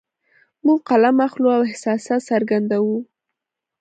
موږ قلم اخلو او احساسات څرګندوو